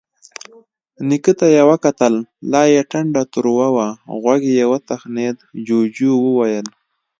نيکه ته يې وکتل، لا يې ټنډه تروه وه. غوږ يې وتخڼېد، جُوجُو وويل: